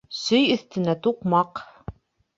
Сөй өҫтөнә туҡмаҡ.